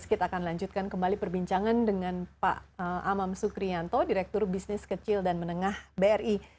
kita akan lanjutkan kembali perbincangan dengan pak amam sukrianto direktur bisnis kecil dan menengah bri